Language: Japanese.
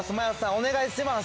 お願いします。